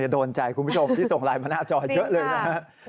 โดนใจคุณผู้ชมที่ส่งไลน์มาหน้าจอเยอะเลยนะครับ